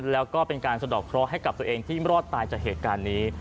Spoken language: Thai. แล้วก็เป็นการสะดอกเคราะห์ให้กับตัวเองที่รอดตายจากเหตุการณ์นี้